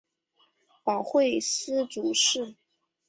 保惠司主事。